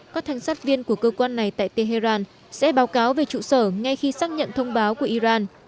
các thành sát viên của cơ quan này tại tehran sẽ báo cáo về trụ sở ngay khi xác nhận thông báo của iran